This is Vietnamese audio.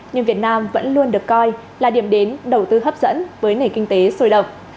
nhưng việt nam vẫn luôn được coi là điểm đến đầu tư hấp dẫn với nền kinh tế sôi động